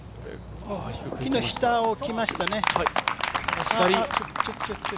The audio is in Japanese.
木の下をきましたね。